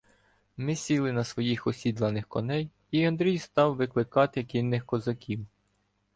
Ми сіли на своїх осідланих коней, і Андрій став викликати кінних козаків: